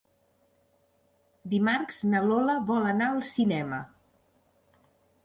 Dimarts na Lola vol anar al cinema.